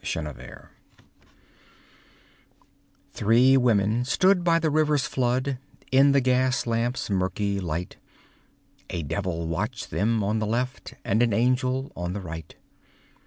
THE OUTCASTS Three women stood by the river's flood In the gas lamp's murky light, A devil watched them on the left, And an angel on the right.